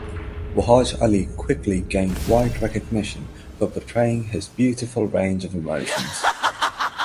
Wahaj Ali quickly gained wide recognition for portraying his beautiful range of emotions.